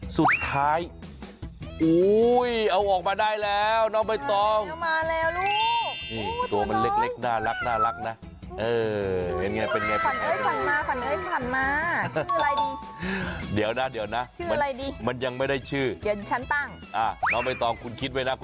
สุดท้ายเอาออกมาได้แล้วน้องใบตอง